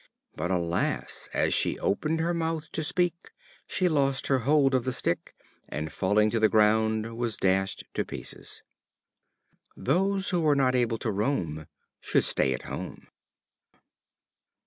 But, alas! as she opened her mouth to speak she lost her hold of the stick, and, falling to the ground, was dashed to pieces. Those who are not able to roam should stay at home.